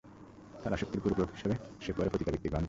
তার আসক্তির পরিপূরক হিসাবে সে পরে পতিতাবৃত্তি গ্রহণ করে।